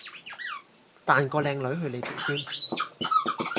彈個靚女去你條 Team